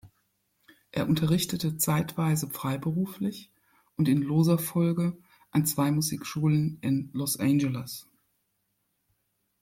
Er unterrichtet zeitweise freiberuflich und in loser Folge an zwei Musikschulen in Los Angeles.